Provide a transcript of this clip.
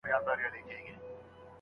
ايا په ځينو موضوعاتو کي تفصيل نه کوې؟